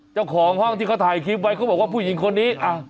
เจ้าของห้องที่เขาถ่ายคลิปไว้เขาบอกว่าผู้หญิงคนนี้